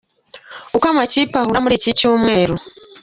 Uko amakipe ahura kuri iki cyumweru.